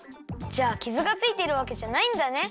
じゃあキズがついてるわけじゃないんだね！